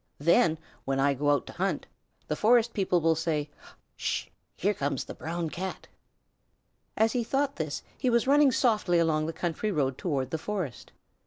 Then, when I go out to hunt, the forest people will say, 'Sh! Here comes the Brown Cat.'" As he thought this he was running softly along the country road toward the forest.